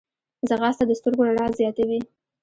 ځغاسته د سترګو رڼا زیاتوي